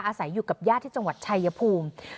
อาศัยอยู่กับญาติที่จังหวัดชายภูมิ